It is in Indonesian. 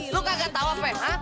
lo kagak tau apa ya